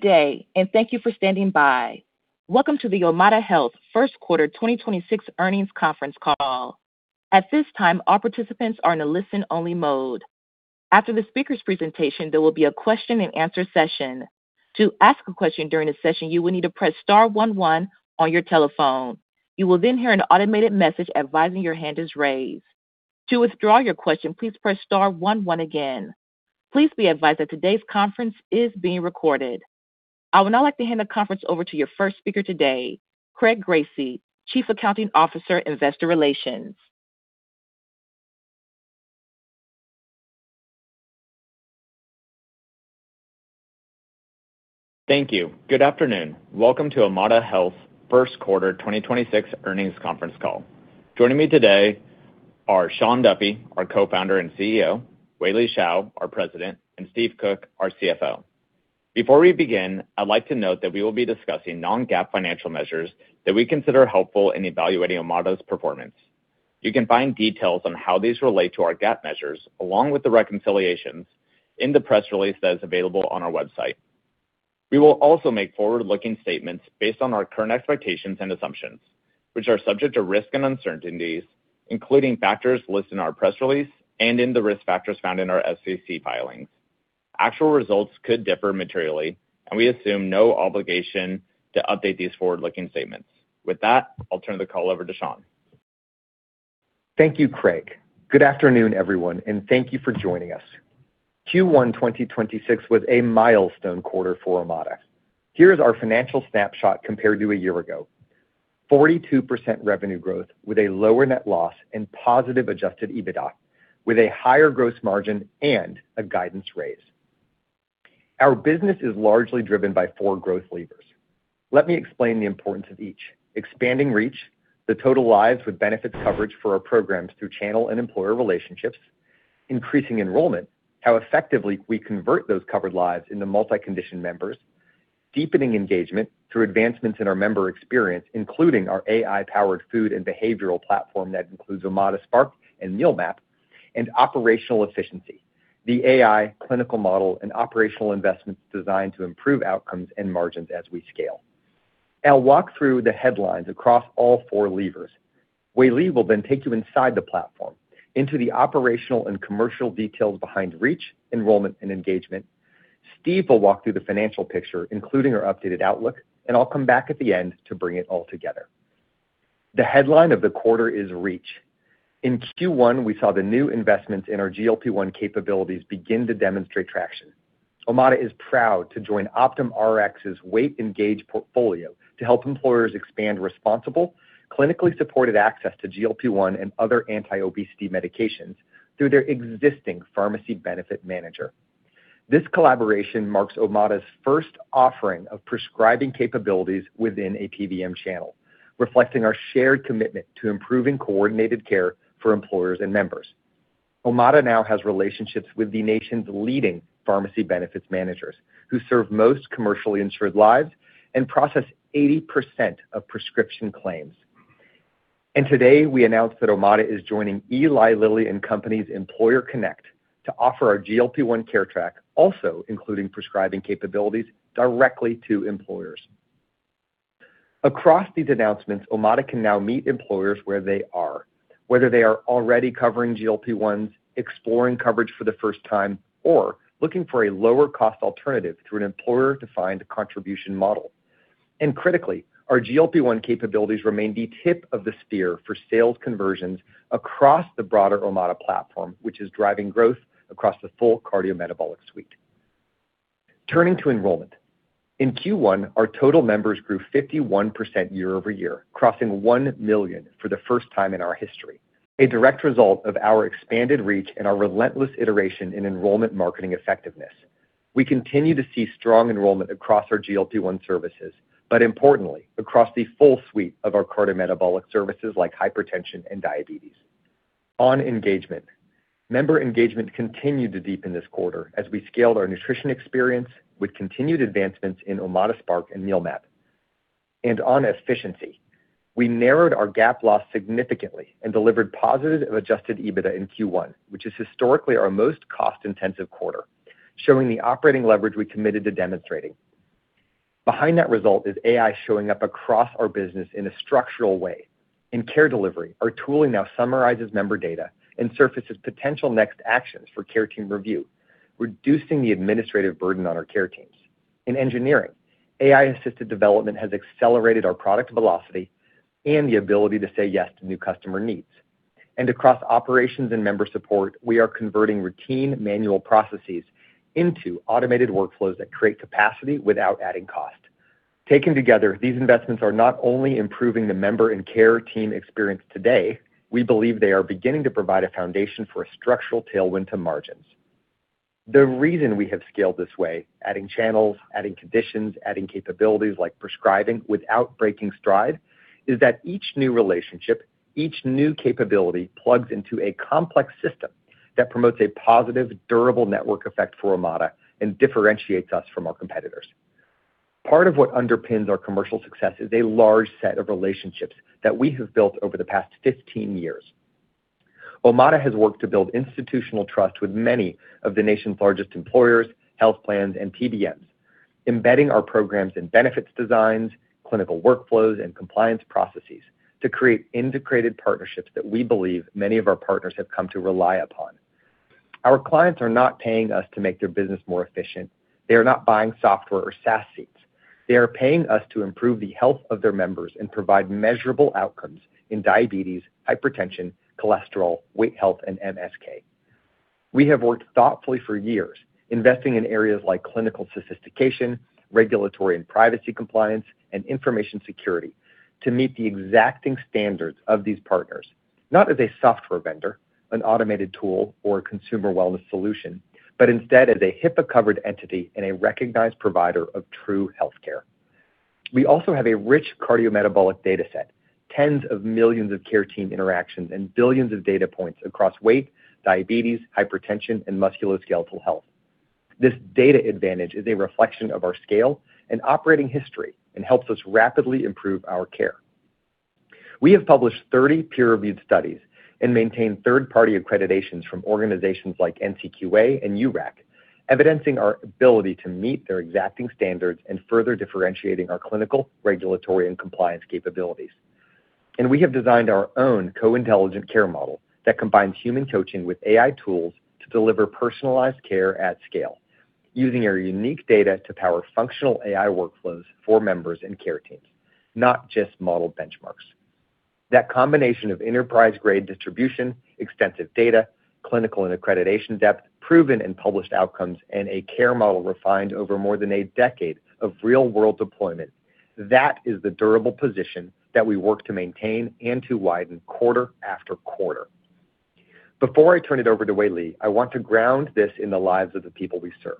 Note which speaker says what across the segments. Speaker 1: Good day and thank you for standing by. Welcome to the Omada Health first quarter 2026 earnings conference call. At this time, all participants are in a listen-only mode. After the speaker's presentation, there will be a question-and-answer session. To ask a question during the session, you will need to press star one one on your telephone. You will then hear an automated message advising your hand is raised. To withdraw your question, please press star one one again. Please be advised that today's conference is being recorded. I would now like to hand the conference over to your first speaker today, Craig Gracey, Chief Accounting Officer, Investor Relations.
Speaker 2: Thank you. Good afternoon. Welcome to Omada Health first quarter 2026 earnings conference call. Joining me today are Sean Duffy, our Co-Founder and CEO, Wei-Li Shao, our President, and Steve Cook, our CFO. Before we begin, I'd like to note that we will be discussing non-GAAP financial measures that we consider helpful in evaluating Omada's performance. You can find details on how these relate to our GAAP measures, along with the reconciliations in the press release that is available on our website. We will also make forward-looking statements based on our current expectations and assumptions, which are subject to risks and uncertainties, including factors listed in our press release and in the risk factors found in our SEC filings. Actual results could differ materially. We assume no obligation to update these forward-looking statements. With that, I'll turn the call over to Sean.
Speaker 3: Thank you, Craig. Good afternoon, everyone, and thank you for joining us. Q1 2026 was a milestone quarter for Omada. Here's our financial snapshot compared to a year ago, 42% revenue growth with a lower net loss and positive adjusted EBITDA, with a higher gross margin and a guidance raise. Our business is largely driven by four growth levers. Let me explain the importance of each: expanding reach, the total lives with benefits coverage for our programs through channel and employer relationships; increasing enrollment, how effectively we convert those covered lives into multi-condition members; deepening engagement through advancements in our member experience, including our AI-powered food and behavioral platform that includes OmadaSpark and Meal Map; and operational efficiency, the AI clinical model and operational investments designed to improve outcomes and margins as we scale. I'll walk through the headlines across all four levers. Wei-Li will then take you inside the platform into the operational and commercial details behind reach, enrollment, and engagement. Steve will walk through the financial picture, including our updated outlook, and I'll come back at the end to bring it all together. The headline of the quarter is reach. In Q1, we saw the new investments in our GLP-1 capabilities begin to demonstrate traction. Omada is proud to join Optum Rx's Weight Engage portfolio to help employers expand responsible, clinically supported access to GLP-1 and other anti-obesity medications through their existing pharmacy benefit manager. This collaboration marks Omada's first offering of prescribing capabilities within a PBM channel, reflecting our shared commitment to improving coordinated care for employers and members. Omada now has relationships with the nation's leading pharmacy benefits managers, who serve most commercially insured lives and process 80% of prescription claims. Today, we announced that Omada is joining Eli Lilly and Company's Employer Connect to offer our GLP-1 Care Track, also including prescribing capabilities directly to employers. Across these announcements, Omada can now meet employers where they are, whether they are already covering GLP-1s, exploring coverage for the first time, or looking for a lower cost alternative through an employer-defined contribution model. Critically, our GLP-1 capabilities remain the tip of the spear for sales conversions across the broader Omada platform, which is driving growth across the full cardiometabolic suite. Turning to enrollment. In Q1, our total members grew 51% year-over-year, crossing 1 million for the first time in our history, a direct result of our expanded reach and our relentless iteration in enrollment marketing effectiveness. We continue to see strong enrollment across our GLP-1 services, but importantly, across the full suite of our cardiometabolic services like hypertension and diabetes. On engagement. Member engagement continued to deepen this quarter as we scaled our nutrition experience with continued advancements in OmadaSpark and Meal Map. And on efficiency, we narrowed our GAAP loss significantly and delivered positive adjusted EBITDA in Q1, which is historically our most cost-intensive quarter, showing the operating leverage we committed to demonstrating. Behind that result is AI showing up across our business in a structural way. In care delivery, our tooling now summarizes member data and surfaces potential next actions for care team review, reducing the administrative burden on our care teams. In engineering, AI-assisted development has accelerated our product velocity and the ability to say yes to new customer needs. Across operations and member support, we are converting routine manual processes into automated workflows that create capacity without adding cost. Taken together, these investments are not only improving the member and care team experience today, we believe they are beginning to provide a foundation for a structural tailwind to margins. The reason we have scaled this way, adding channels, adding conditions, adding capabilities like prescribing without breaking stride, is that each new relationship, each new capability plugs into a complex system that promotes a positive, durable network effect for Omada and differentiates us from our competitors. Part of what underpins our commercial success is a large set of relationships that we have built over the past 15 years. Omada has worked to build institutional trust with many of the nation's largest employers, health plans, and PBMs, embedding our programs in benefits designs, clinical workflows, and compliance processes to create integrated partnerships that we believe many of our partners have come to rely upon. Our clients are not paying us to make their business more efficient. They are not buying software or SaaS seats. They are paying us to improve the health of their members and provide measurable outcomes in diabetes, hypertension, cholesterol, weight health, and MSK. We have worked thoughtfully for years investing in areas like clinical sophistication, regulatory and privacy compliance, and information security to meet the exacting standards of these partners, not as a software vendor, an automated tool, or a consumer wellness solution, but instead as a HIPAA-covered entity and a recognized provider of true healthcare. We also have a rich cardiometabolic data set, tens of millions of care team interactions, and billions of data points across weight, diabetes, hypertension, and musculoskeletal health. This data advantage is a reflection of our scale and operating history and helps us rapidly improve our care. We have published 30 peer-reviewed studies and maintain third-party accreditations from organizations like NCQA and URAC, evidencing our ability to meet their exacting standards and further differentiating our clinical, regulatory, and compliance capabilities. We have designed our own co-intelligent care model that combines human coaching with AI tools to deliver personalized care at scale using our unique data to power functional AI workflows for members and care teams, not just model benchmarks. That combination of enterprise-grade distribution, extensive data, clinical and accreditation depth, proven and published outcomes, and a care model refined over more than a decade of real-world deployment, that is the durable position that we work to maintain and to widen quarter after quarter. Before I turn it over to Wei-Li, I want to ground this in the lives of the people we serve.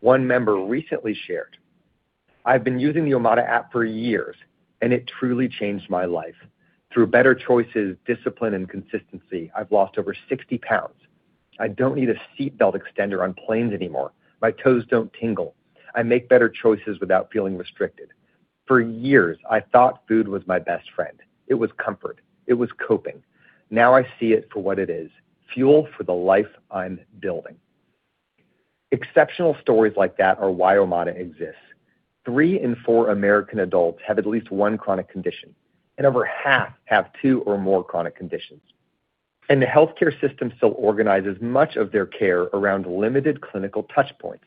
Speaker 3: One member recently shared, "I've been using the Omada app for years, and it truly changed my life. Through better choices, discipline, and consistency, I've lost over 60 lbs. I don't need a seatbelt extender on planes anymore. My toes don't tingle. I make better choices without feeling restricted. For years, I thought food was my best friend. It was comfort. It was coping. Now I see it for what it is, fuel for the life I'm building." Exceptional stories like that are why Omada exists. Three in four American adults have at least one chronic condition, and over half have two or more chronic conditions. The healthcare system still organizes much of their care around limited clinical touchpoints.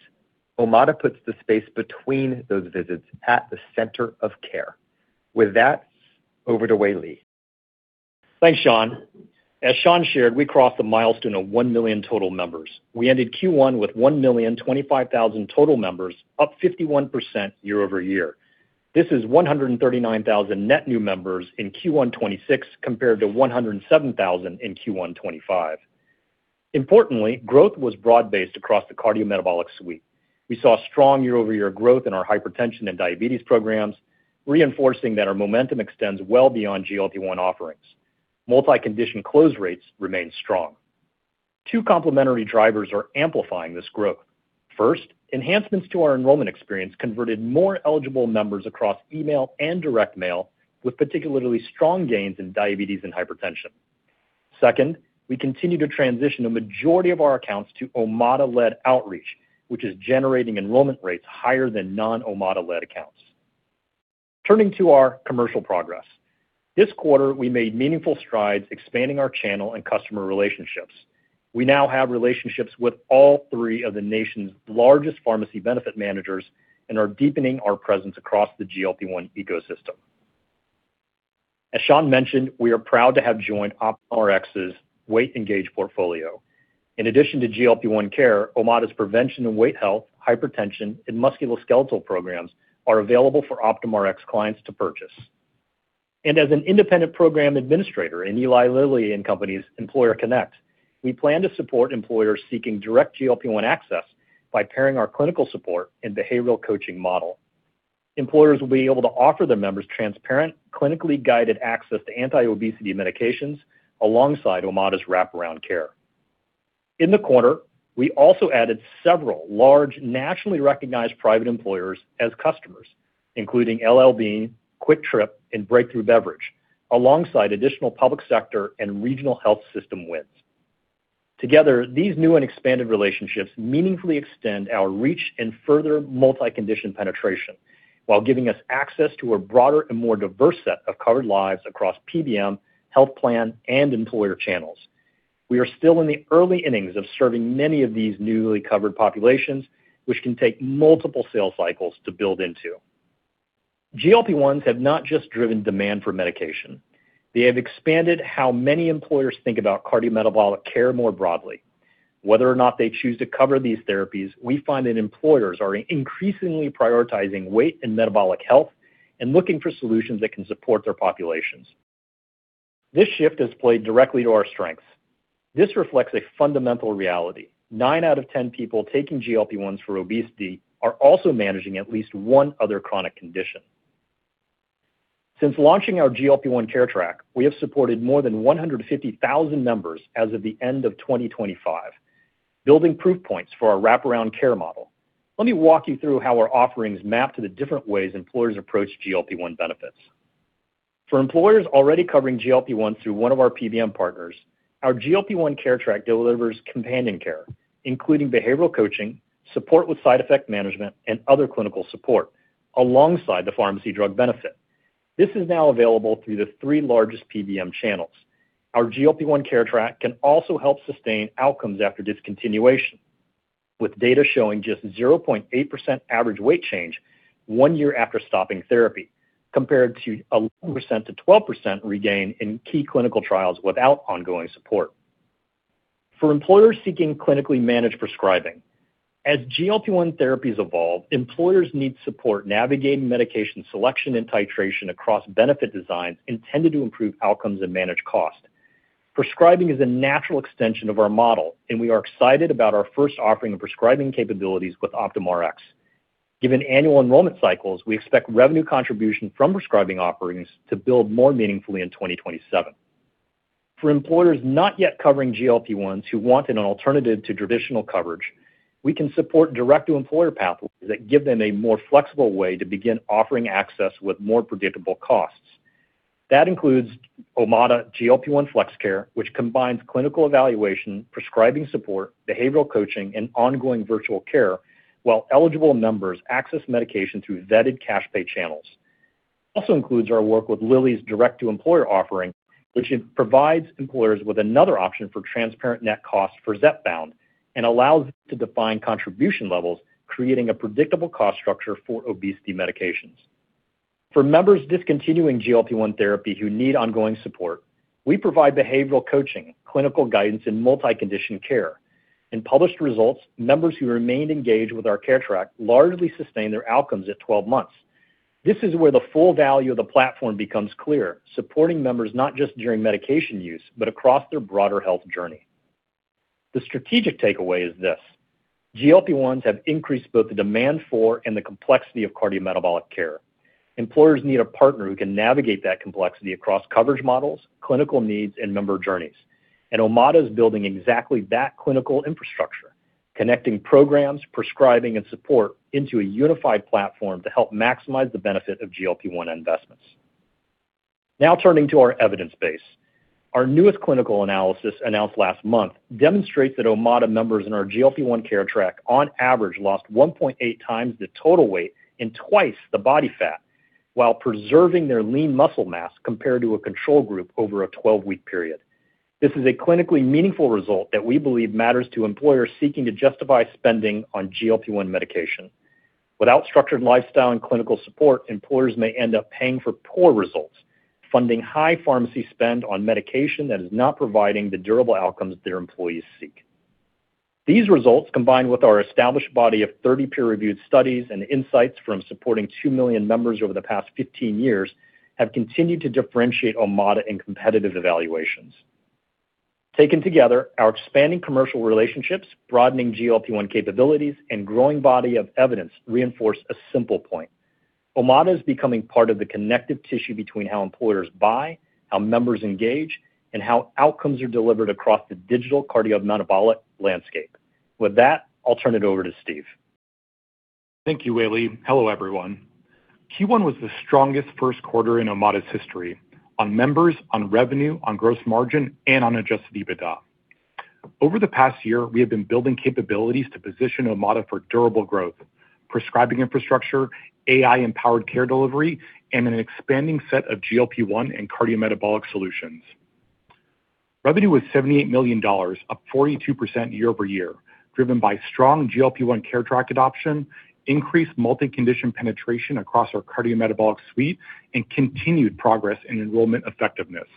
Speaker 3: Omada puts the space between those visits at the center of care. With that, over to Wei-Li.
Speaker 4: Thanks, Sean. As Sean shared, we crossed the milestone of 1 million total members. We ended Q1 with 1,025,000 total members, up 51% year-over-year. This is 139,000 net new members in Q1 2026 compared to 107,000 in Q1 2025. Importantly, growth was broad-based across the cardiometabolic suite. We saw strong year-over-year growth in our hypertension and diabetes programs, reinforcing that our momentum extends well beyond GLP-1 offerings. Multi-condition close rates remain strong. Two complementary drivers are amplifying this growth. First, enhancements to our enrollment experience converted more eligible members across email and direct mail, with particularly strong gains in diabetes and hypertension. Second, we continue to transition a majority of our accounts to Omada-led outreach, which is generating enrollment rates higher than non-Omada-led accounts. Turning to our commercial progress, this quarter, we made meaningful strides expanding our channel and customer relationships. We now have relationships with all three of the nation's largest pharmacy benefit managers and are deepening our presence across the GLP-1 ecosystem. As Sean mentioned, we are proud to have joined Optum Rx's Weight Engage portfolio. In addition to GLP-1 care, Omada's prevention and weight health, hypertension, and musculoskeletal programs are available for Optum Rx clients to purchase. As an independent program administrator in Eli Lilly and Company's Employer Connect, we plan to support employers seeking direct GLP-1 access by pairing our clinical support and behavioral coaching model. Employers will be able to offer their members transparent, clinically guided access to anti-obesity medications alongside Omada's wraparound care. In the quarter, we also added several large, nationally recognized private employers as customers, including L.L.Bean, QuikTrip, and Breakthru Beverage, alongside additional public sector and regional health system wins. Together, these new and expanded relationships meaningfully extend our reach and further multi-condition penetration while giving us access to a broader and more diverse set of covered lives across PBM, health plan, and employer channels. We are still in the early innings of serving many of these newly covered populations, which can take multiple sales cycles to build into. GLP-1s have not just driven demand for medication, they have expanded how many employers think about cardiometabolic care more broadly. Whether or not they choose to cover these therapies, we find that employers are increasingly prioritizing weight and metabolic health and looking for solutions that can support their populations. This shift has played directly to our strengths. This reflects a fundamental reality. Nine out of 10 people taking GLP-1s for obesity are also managing at least one other chronic condition. Since launching our GLP-1 Care Track, we have supported more than 150,000 members as of the end of 2025, building proof points for our wraparound care model. Let me walk you through how our offerings map to the different ways employers approach GLP-1 benefits. For employers already covering GLP-1 through one of our PBM partners, our GLP-1 Care Track delivers companion care, including behavioral coaching, support with side effect management, and other clinical support alongside the pharmacy drug benefit. This is now available through the three largest PBM channels. Our GLP-1 Care Track can also help sustain outcomes after discontinuation, with data showing just 0.8% average weight change one year after stopping therapy, compared to 11%-12% regain in key clinical trials without ongoing support. For employers seeking clinically managed prescribing, as GLP-1 therapies evolve, employers need support navigating medication selection and titration across benefit designs intended to improve outcomes and manage cost. Prescribing is a natural extension of our model, and we are excited about our first offering of prescribing capabilities with Optum Rx. Given annual enrollment cycles, we expect revenue contribution from prescribing offerings to build more meaningfully in 2027. For employers not yet covering GLP-1s who want an alternative to traditional coverage, we can support direct-to-employer pathways that give them a more flexible way to begin offering access with more predictable costs. That includes Omada GLP-1 Flex Care, which combines clinical evaluation, prescribing support, behavioral coaching, and ongoing virtual care while eligible members access medication through vetted cash-pay channels. It also includes our work with Lilly's direct-to-employer offering, which provides employers with another option for transparent net costs for Zepbound and allows to define contribution levels, creating a predictable cost structure for obesity medications. For members discontinuing GLP-1 therapy who need ongoing support, we provide behavioral coaching, clinical guidance, and multi-condition care. In published results, members who remained engaged with our care track largely sustained their outcomes at 12 months. This is where the full value of the platform becomes clear, supporting members not just during medication use, but across their broader health journey. The strategic takeaway is this: GLP-1s have increased both the demand for and the complexity of cardiometabolic care. Employers need a partner who can navigate that complexity across coverage models, clinical needs, and member journeys, and Omada is building exactly that clinical infrastructure, connecting programs, prescribing, and support into a unified platform to help maximize the benefit of GLP-1 investments. Now, turning to our evidence base. Our newest clinical analysis announced last month demonstrates that Omada members in our GLP-1 Care Track on average lost 1.8 times the total weight and twice the body fat while preserving their lean muscle mass compared to a control group over a 12-week period. This is a clinically meaningful result that we believe matters to employers seeking to justify spending on GLP-1 medication. Without structured lifestyle and clinical support, employers may end up paying for poor results, funding high pharmacy spend on medication that is not providing the durable outcomes their employees seek. These results, combined with our established body of 30 peer-reviewed studies and insights from supporting 2 million members over the past 15 years, have continued to differentiate Omada in competitive evaluations. Taken together, our expanding commercial relationships, broadening GLP-1 capabilities, and growing body of evidence reinforce a simple point. Omada is becoming part of the connective tissue between how employers buy, how members engage, and how outcomes are delivered across the digital cardiometabolic landscape. With that, I'll turn it over to Steve.
Speaker 5: Thank you, Wei-Li. Hello, everyone. Q1 was the strongest first quarter in Omada's history on members, on revenue, on gross margin, and on adjusted EBITDA. Over the past year, we have been building capabilities to position Omada for durable growth, prescribing infrastructure, AI-empowered care delivery, and an expanding set of GLP-1 and cardiometabolic solutions. Revenue was $78 million, up 42% year-over-year, driven by strong GLP-1 Care Track adoption, increased multi-condition penetration across our cardiometabolic suite, and continued progress in enrollment effectiveness.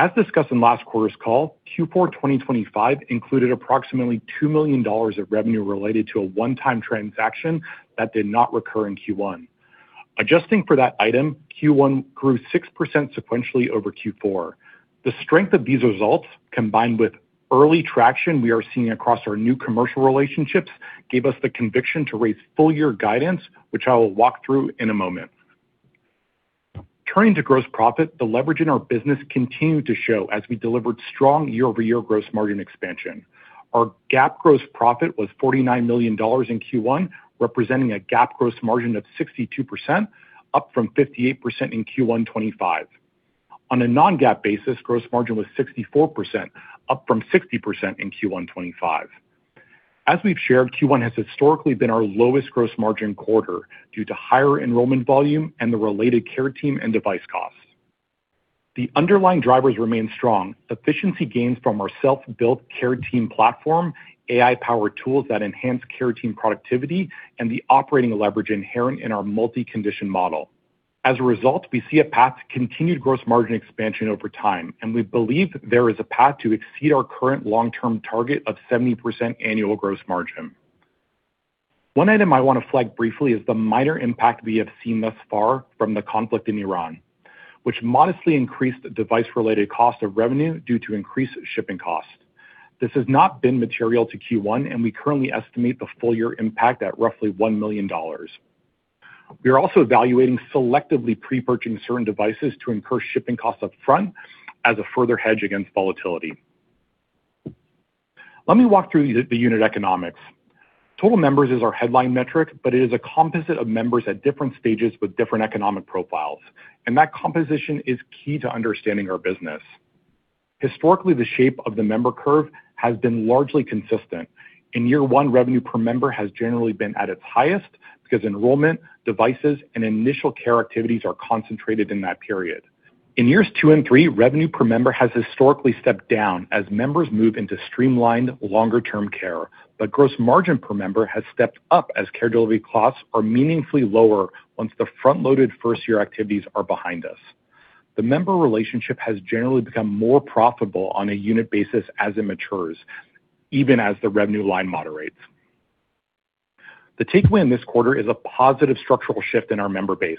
Speaker 5: As discussed in last quarter's call, Q4 2025 included approximately $2 million of revenue related to a one-time transaction that did not recur in Q1. Adjusting for that item, Q1 grew 6% sequentially over Q4. The strength of these results, combined with early traction we are seeing across our new commercial relationships, gave us the conviction to raise full-year guidance, which I will walk through in a moment. Turning to gross profit, the leverage in our business continued to show as we delivered strong year-over-year gross margin expansion. Our GAAP gross profit was $49 million in Q1, representing a GAAP gross margin of 62%, up from 58% in Q1 2025. On a non-GAAP basis, gross margin was 64%, up from 60% in Q1 2025. As we've shared, Q1 has historically been our lowest gross margin quarter due to higher enrollment volume and the related care team and device costs. The underlying drivers remain strong, efficiency gains from our self-built care team platform, AI-powered tools that enhance care team productivity, and the operating leverage inherent in our multi-condition model. As a result, we see a path to continued gross margin expansion over time, and we believe there is a path to exceed our current long-term target of 70% annual gross margin. One item I wanna flag briefly is the minor impact we have seen thus far from the conflict in Iran, which modestly increased the device-related cost of revenue due to increased shipping costs. This has not been material to Q1, and we currently estimate the full-year impact at roughly $1 million. We are also evaluating selectively pre-purchasing certain devices to incur shipping costs up front as a further hedge against volatility. Let me walk through the unit economics. Total members is our headline metric, but it is a composite of members at different stages with different economic profiles, and that composition is key to understanding our business. Historically, the shape of the member curve has been largely consistent. In year one, revenue per member has generally been at its highest because enrollment, devices, and initial care activities are concentrated in that period. In years two and three, revenue per member has historically stepped down as members move into streamlined longer-term care, but gross margin per member has stepped up as care delivery costs are meaningfully lower once the front-loaded first year activities are behind us. The member relationship has generally become more profitable on a unit basis as it matures, even as the revenue line moderates. The takeaway in this quarter is a positive structural shift in our member base.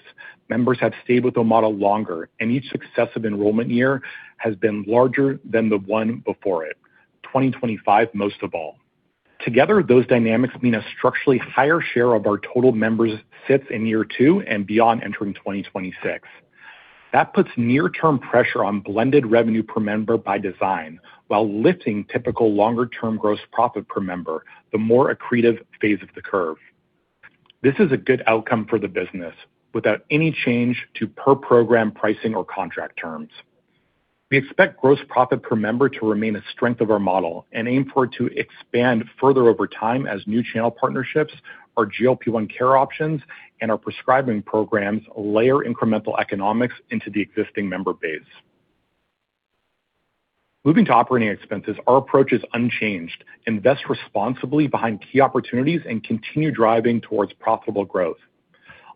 Speaker 5: Members have stayed with the model longer, and each successive enrollment year has been larger than the one before it, 2025 most of all. Together, those dynamics mean a structurally higher share of our total members sits in year two and beyond entering 2026. That puts near-term pressure on blended revenue per member by design while lifting typical longer-term gross profit per member, the more accretive phase of the curve. This is a good outcome for the business without any change to per program pricing or contract terms. We expect gross profit per member to remain a strength of our model and aim for it to expand further over time as new channel partnerships, our GLP-1 care options, and our prescribing programs layer incremental economics into the existing member base. Moving to operating expenses, our approach is unchanged: invest responsibly behind key opportunities and continue driving towards profitable growth.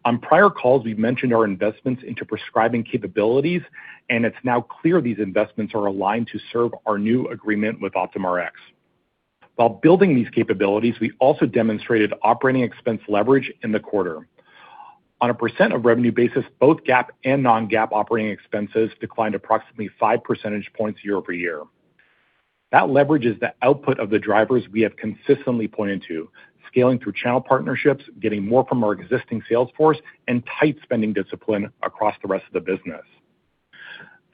Speaker 5: On prior calls, we've mentioned our investments into prescribing capabilities, and it's now clear these investments are aligned to serve our new agreement with Optum Rx. While building these capabilities, we also demonstrated operating expense leverage in the quarter. On a percent of revenue basis, both GAAP and non-GAAP operating expenses declined approximately 5 percentage points year-over-year. That leverage is the output of the drivers we have consistently pointed to, scaling through channel partnerships, getting more from our existing sales force, and tight spending discipline across the rest of the business.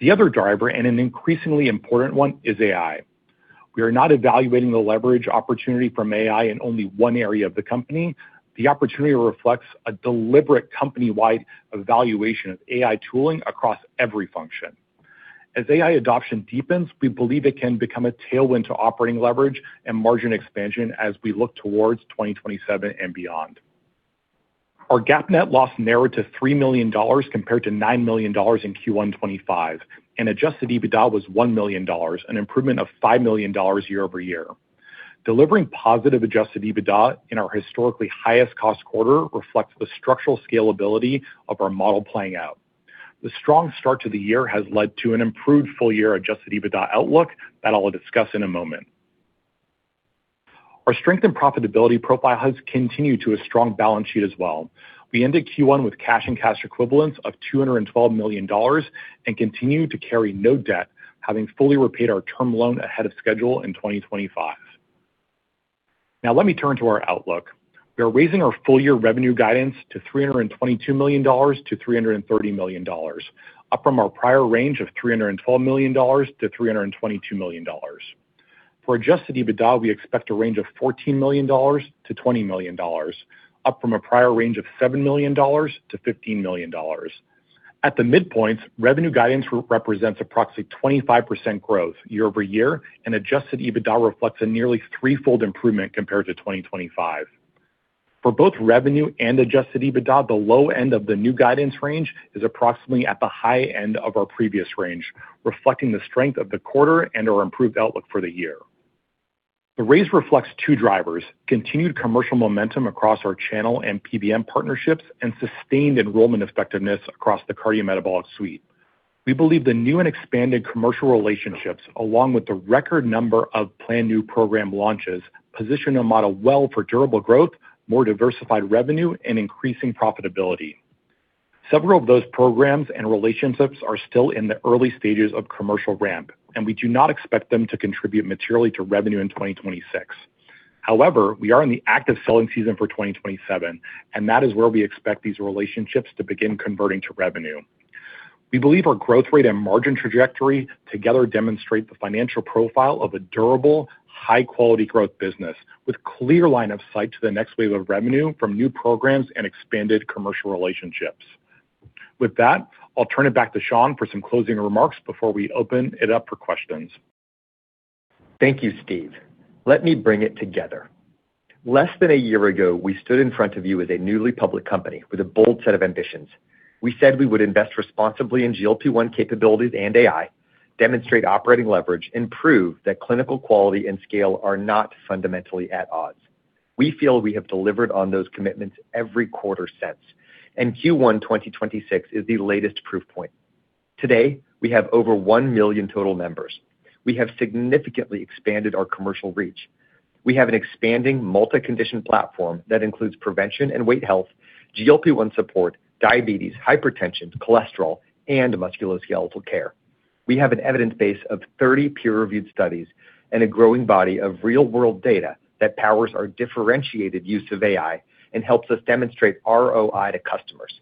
Speaker 5: The other driver, and an increasingly important one, is AI. We are not evaluating the leverage opportunity from AI in only one area of the company. The opportunity reflects a deliberate company-wide evaluation of AI tooling across every function. As AI adoption deepens, we believe it can become a tailwind to operating leverage and margin expansion as we look towards 2027 and beyond. Our GAAP net loss narrowed to $3 million compared to $9 million in Q1 2025, and adjusted EBITDA was $1 million, an improvement of $5 million year-over-year. Delivering positive adjusted EBITDA in our historically highest cost quarter reflects the structural scalability of our model playing out. The strong start to the year has led to an improved full-year adjusted EBITDA outlook that I will discuss in a moment. Our strength and profitability profile has continued to a strong balance sheet as well. We ended Q1 with cash and cash equivalents of $212 million and continue to carry no debt, having fully repaid our term loan ahead of schedule in 2025. Now let me turn to our outlook. We are raising our full-year revenue guidance to $322 million-$330 million, up from our prior range of $312 million-$322 million. For adjusted EBITDA, we expect a range of $14 million-$20 million, up from a prior range of $7 million-$15 million. At the midpoints, revenue guidance represents approximately 25% growth year-over-year, and adjusted EBITDA reflects a nearly threefold improvement compared to 2025. For both revenue and adjusted EBITDA, the low end of the new guidance range is approximately at the high end of our previous range, reflecting the strength of the quarter and our improved outlook for the year. The raise reflects two drivers: continued commercial momentum across our channel and PBM partnerships and sustained enrollment effectiveness across the cardiometabolic suite. We believe the new and expanded commercial relationships, along with the record number of planned new program launches, position our model well for durable growth, more diversified revenue, and increasing profitability. Several of those programs and relationships are still in the early stages of commercial ramp, and we do not expect them to contribute materially to revenue in 2026. However, we are in the active selling season for 2027, and that is where we expect these relationships to begin converting to revenue. We believe our growth rate and margin trajectory together demonstrate the financial profile of a durable, high-quality growth business with clear line of sight to the next wave of revenue from new programs and expanded commercial relationships. With that, I'll turn it back to Sean for some closing remarks before we open it up for questions.
Speaker 3: Thank you, Steve. Let me bring it together. Less than a year ago, we stood in front of you as a newly public company with a bold set of ambitions. We said we would invest responsibly in GLP-1 capabilities and AI, demonstrate operating leverage, and prove that clinical quality and scale are not fundamentally at odds. We feel we have delivered on those commitments every quarter since, and Q1 2026 is the latest proof point. Today, we have over 1 million total members. We have significantly expanded our commercial reach. We have an expanding multi-condition platform that includes prevention and weight health, GLP-1 support, diabetes, hypertension, cholesterol, and musculoskeletal care. We have an evidence base of 30 peer-reviewed studies and a growing body of real-world data that powers our differentiated use of AI and helps us demonstrate ROI to customers.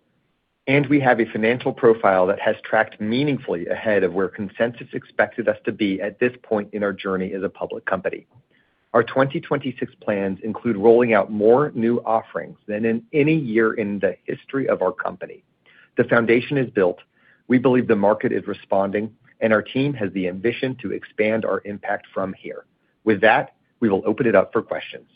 Speaker 3: And we have a financial profile that has tracked meaningfully ahead of where consensus expected us to be at this point in our journey as a public company. Our 2026 plans include rolling out more new offerings than in any year in the history of our company. The foundation is built. We believe the market is responding, and our team has the ambition to expand our impact from here. With that, we will open it up for questions.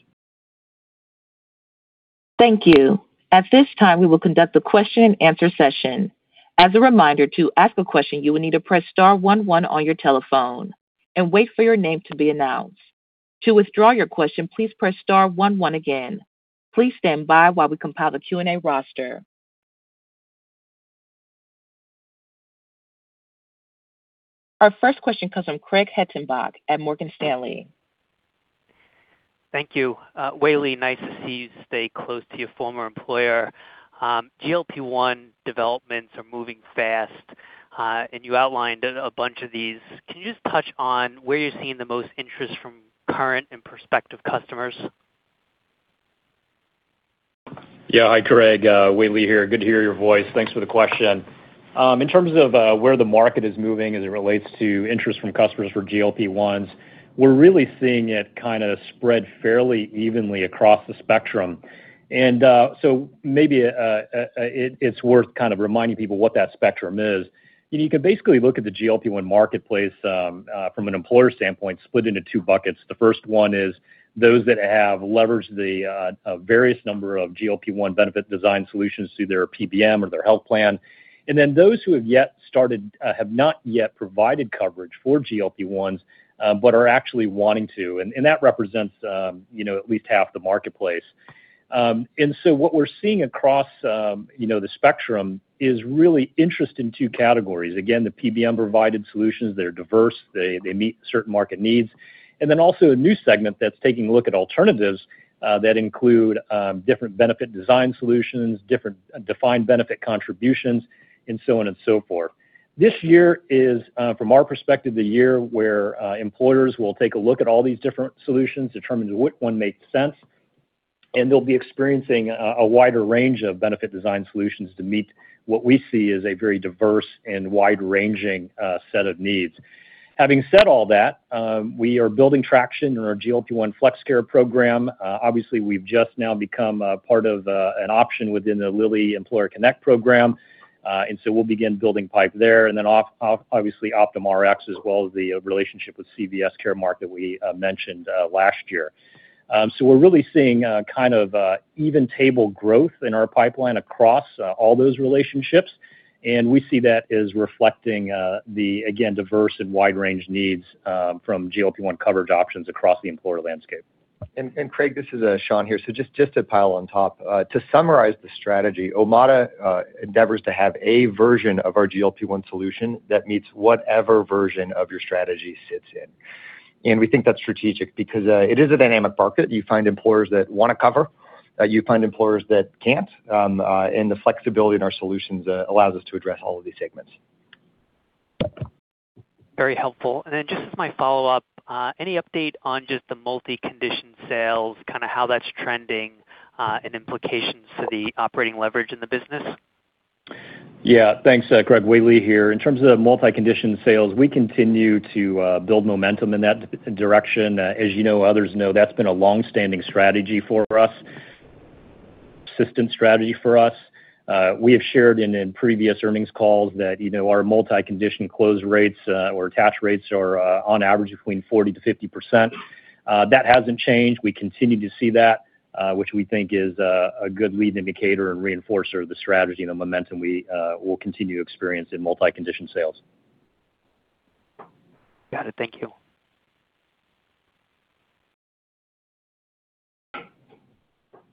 Speaker 1: Thank you. At this time, we will conduct a question-and-answer session. As a reminder, to ask a question, you will need to press star one one on your telephone and wait for your name to be announced. To withdraw your question, please press star one one again. Please stand by while we compile the Q&A roster. Our first question comes from Craig Hettenbach at Morgan Stanley.
Speaker 6: Thank you. Wei-Li, nice to see you stay close to your former employer. GLP-1 developments are moving fast, and you outlined a bunch of these. Can you just touch on where you're seeing the most interest from current and prospective customers?
Speaker 4: Yeah. Hi, Craig. Wei-Li here. Good to hear your voice. Thanks for the question. In terms of where the market is moving as it relates to interest from customers for GLP-1s, we're really seeing it kind of spread fairly evenly across the spectrum. Maybe it's worth kind of reminding people what that spectrum is. You can basically look at the GLP-1 marketplace from an employer standpoint, split into two buckets. The first one is those that have leveraged the various number of GLP-1 benefit design solutions through their PBM or their health plan, and then those who have yet started, have not yet provided coverage for GLP-1s, but are actually wanting to, and that represents, you know, at least half the marketplace. What we're seeing across, you know, the spectrum is really interest in two categories. Again, the PBM provided solutions, they're diverse, they meet certain market needs, and then also a new segment that's taking a look at alternatives that include different benefit design solutions, different defined benefit contributions, and so on and so forth. This year is, from our perspective, the year where employers will take a look at all these different solutions, determine which one makes sense, and they'll be experiencing a wider range of benefit design solutions to meet what we see as a very diverse and wide-ranging set of needs. Having said all that, we are building traction in our GLP-1 Flex Care program. Obviously, we've just now become a part of an option within the Lilly Employer Connect program. So, we'll begin building pipe there, and obviously, Optum Rx as well as the relationship with CVS Caremark that we mentioned last year. We're really seeing kind of even table growth in our pipeline across all those relationships, and we see that as reflecting the, again, diverse and wide range needs from GLP-1 coverage options across the employer landscape.
Speaker 3: And Craig, this is Sean here. Just to pile on top. To summarize the strategy, Omada endeavors to have a version of our GLP-1 solution that meets whatever version of your strategy sits in. We think that's strategic because it is a dynamic market. You find employers that wanna cover, you find employers that can't, and the flexibility in our solutions allows us to address all of these segments.
Speaker 6: Very helpful. Just as my follow-up, any update on just the multi-condition sales, kind of how that's trending, and implications for the operating leverage in the business?
Speaker 4: Yeah. Thanks, Craig. Wei-Li here. In terms of multi-condition sales, we continue to build momentum in that direction. As you know, others know, that's been a long-standing strategy for us, system strategy for us. We have shared in previous earnings calls that, you know, our multi-condition close rates or attach rates are on average between 40%-50%, that hasn't changed. We continue to see that, which we think is a good lead indicator and reinforcer of the strategy and the momentum we will continue to experience in multi-condition sales.
Speaker 6: Got it. Thank you.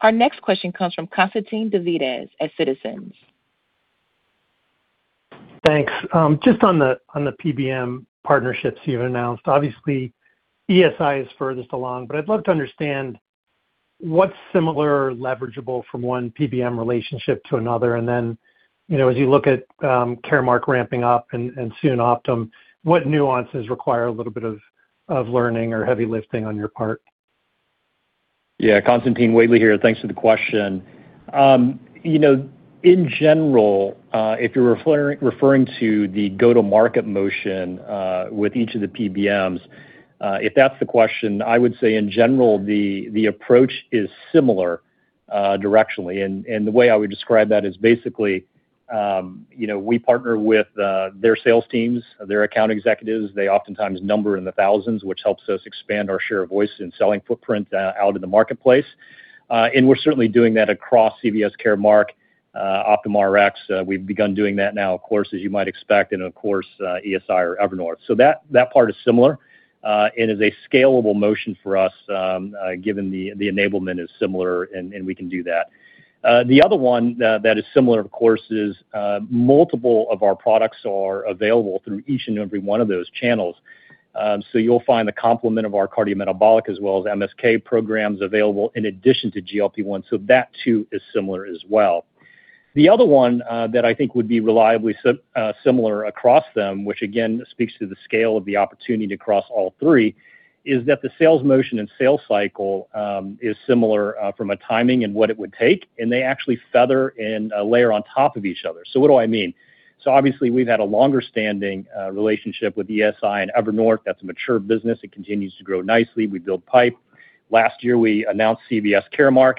Speaker 1: Our next question comes from Constantine Davides at Citizens.
Speaker 7: Thanks. Just on the PBM partnerships you've announced. Obviously, ESI is furthest along, but I'd love to understand what's similar or leverageable from one PBM relationship to another. Then, you know, as you look at Caremark ramping up and soon Optum, what nuances require a little bit of learning or heavy lifting on your part?
Speaker 4: Yeah. Constantine, Wei-Li here. Thanks for the question. You know, in general, if you're referring to the go-to-market motion with each of the PBMs, if that's the question, I would say in general, the approach is similar directionally. The way I would describe that is basically, you know, we partner with their sales teams, their account executives. They oftentimes number in the thousands, which helps us expand our share of voice and selling footprint out in the marketplace. We're certainly doing that across CVS Caremark, Optum Rx. We've begun doing that now, of course, as you might expect, and of course, ESI or Evernorth. So, that part is similar and is a scalable motion for us given the enablement is similar and we can do that. The other one that is similar, of course, is multiple of our products are available through each and every one of those channels. You'll find the complement of our cardiometabolic as well as MSK programs available in addition to GLP-1, so that too is similar as well. The other one that I think would be reliably similar across them, which again speaks to the scale of the opportunity across all three, is that the sales motion and sales cycle is similar from a timing and what it would take, and they actually feather and layer on top of each other. What do I mean? Obviously, we've had a longer standing relationship with ESI and Evernorth. That's a mature business, it continues to grow nicely, we build pipe. Last year, we announced CVS Caremark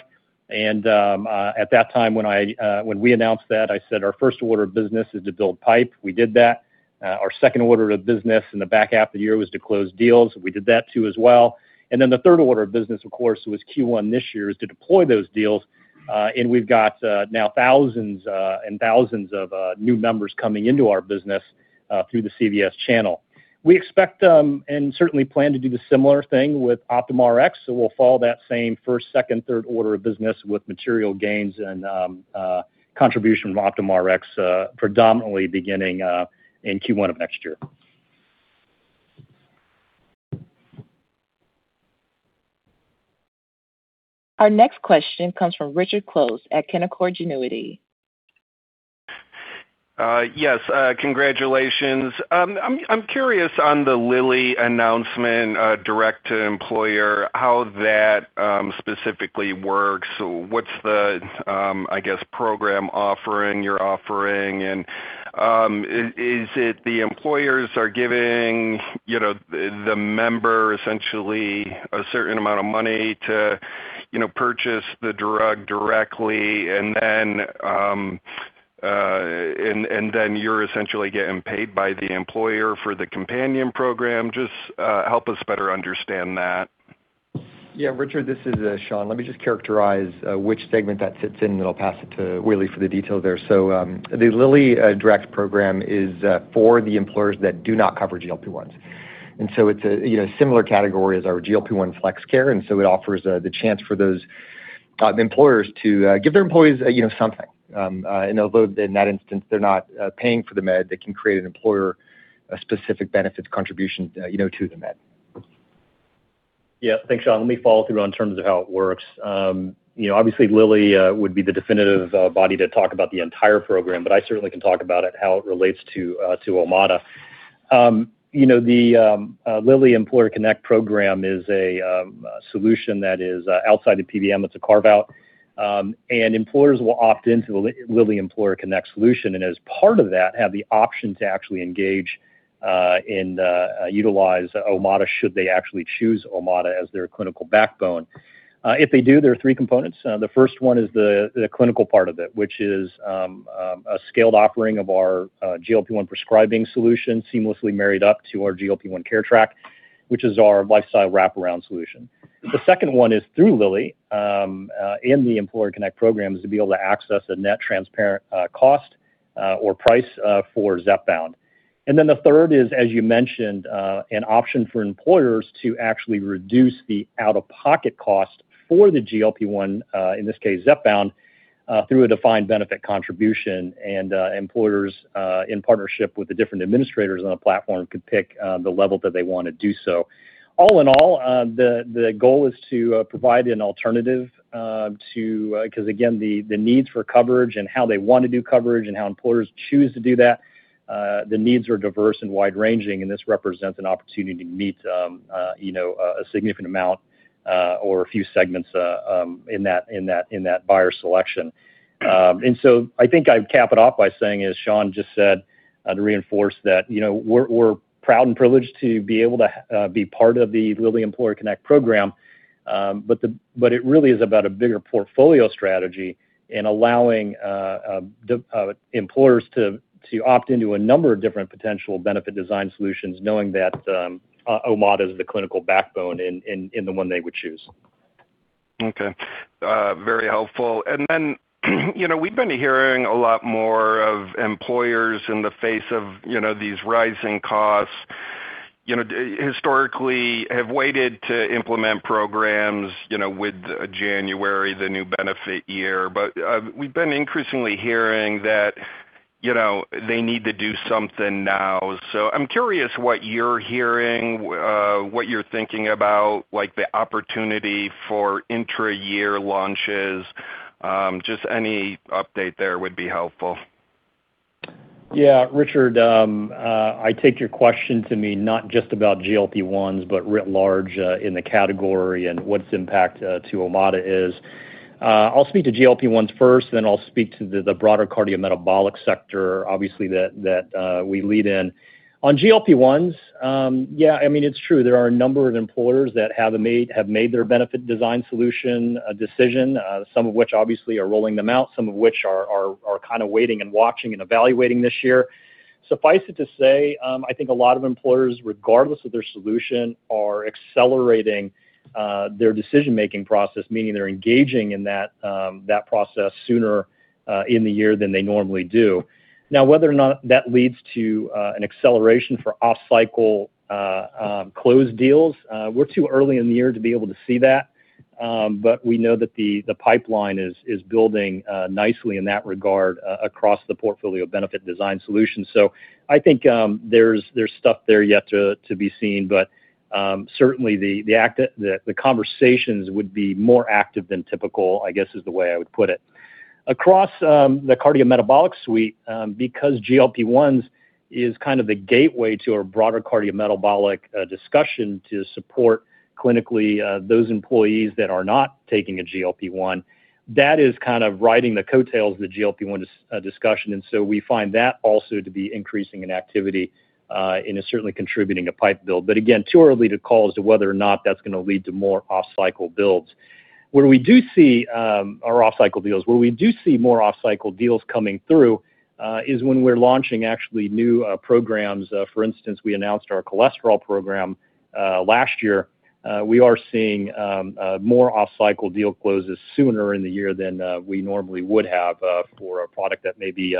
Speaker 4: and, at that time when we announced that, I said our first order of business is to build pipe, we did that. Our second order of business in the back half of the year was to close deals, we did that too as well. The third order of business, of course, was Q1 this year, is to deploy those deals, and we've got now thousands and thousands of new members coming into our business through the CVS channel. We expect and certainly plan to do the similar thing with Optum Rx. We'll follow that same first, second, third order of business with material gains and contribution from Optum Rx predominantly beginning in Q1 of next year.
Speaker 1: Our next question comes from Richard Close at Canaccord Genuity.
Speaker 8: Yes, congratulations. I'm curious on the Lilly announcement, direct-to-employer, how that specifically works, so what's the, I guess, program offering you're offering? Is it the employers are giving, you know, the member essentially a certain amount of money to, you know, purchase the drug directly and then, and then you're essentially getting paid by the employer for the companion program? Just help us better understand that.
Speaker 3: Yeah, Richard, this is Sean. Let me just characterize which segment that sits in, and then I'll pass it to Wei-Li for the detail there. The LillyDirect program is for the employers that do not cover GLP-1s. It's a, you know, similar category as our GLP-1 Flex Care, and so it offers the chance for those employers to give their employees, you know, something. And although in that instance, they're not paying for the med, they can create an employer a specific benefits contribution, you know, to the med.
Speaker 4: Yeah. Thanks, Sean. Let me follow through on terms of how it works. You know, obviously Lilly would be the definitive body to talk about the entire program, but I certainly can talk about it, how it relates to Omada. You know, the Lilly Employer Connect program is a solution that is outside of PBM, it's a carve-out. Employers will opt into Lilly Employer Connect solution and as part of that, have the option to actually engage and utilize Omada should they actually choose Omada as their clinical backbone. If they do, there are three components. The first one is the clinical part of it, which is a scaled offering of our GLP-1 prescribing solution seamlessly married up to our GLP-1 Care Track, which is our lifestyle wraparound solution. The second one is through Lilly in the Employer Connect programs, to be able to access a net transparent cost or price for Zepbound. Then the third is, as you mentioned, an option for employers to actually reduce the out-of-pocket cost for the GLP-1, in this case, Zepbound, through a defined benefit contribution. Employers, in partnership with the different administrators on the platform, could pick the level that they want to do so. All in all, the goal is to provide an alternative to, because again, the needs for coverage and how they want to do coverage and how employers choose to do that, the needs are diverse and wide-ranging, and this represents an opportunity to meet, you know, a significant amount, or a few segments in that buyer selection. I think I'd cap it off by saying, as Sean just said, and reinforce that, you know, we're proud and privileged to be able to be part of the Lilly Employer Connect program, but it really is about a bigger portfolio strategy and allowing employers to opt into a number of different potential benefit design solutions knowing that Omada is the clinical backbone in the one they would choose.
Speaker 8: Okay. Very helpful. You know, we've been hearing a lot more of employers in the face of, you know, these rising costs, you know, historically have waited to implement programs, you know, with January, the new benefit year. We've been increasingly hearing that, you know, they need to do something now. I'm curious what you're hearing, what you're thinking about, like the opportunity for intra-year launches. Just any update there would be helpful.
Speaker 4: Yeah, Richard, I take your question to mean not just about GLP-1s, but writ large, in the category and what its impact to Omada is. I'll speak to GLP-1s first, then I'll speak to the broader cardiometabolic sector, obviously that we lead in. On GLP-1s, yeah, I mean, it's true, there are a number of employers that have made their benefit design solution decision, some of which obviously are rolling them out, some of which are kind of waiting and watching and evaluating this year. Suffice it to say, I think a lot of employers, regardless of their solution, are accelerating their decision-making process, meaning they're engaging in that process sooner in the year than they normally do. Now, whether or not that leads to an acceleration for off-cycle closed deals, we're too early in the year to be able to see that, but we know that the pipeline is building nicely in that regard across the portfolio benefit design solution. I think there's stuff there yet to be seen, but certainly the conversations would be more active than typical, I guess is the way I would put it. Across the cardiometabolic suite, because GLP-1s is kind of the gateway to our broader cardiometabolic discussion to support clinically those employees that are not taking a GLP-1, that is kind of riding the coattails of the GLP-1 discussion. We find that also to be increasing in activity and is certainly contributing to pipe build. But again, too early to call as to whether or not that's gonna lead to more off-cycle builds. Where we do see our off-cycle deals, where we do see more off-cycle deals coming through, is when we're launching actually new programs. For instance, we announced our cholesterol program last year. We are seeing more off-cycle deal closes sooner in the year than we normally would have for a product that may be